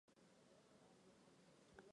她是建筑师贝聿铭的堂妹。